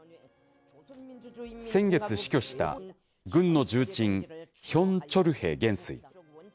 先月死去した軍の重鎮、ヒョン・チョルヘ元帥。